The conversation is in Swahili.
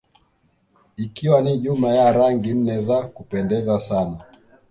Ikiwa na jumla ya Rangi nne za kupendeza sana